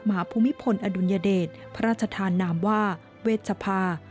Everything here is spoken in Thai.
ภูมิพลอดุลยเดชพระราชธานามว่าเวชภา